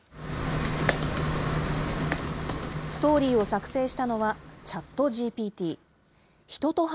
ストーリーを作成したのはＣｈａｔＧＰＴ。